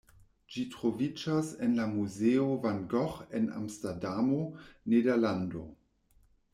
Ĝi troviĝas en la muzeo Van Gogh en Amsterdamo, Nederlando.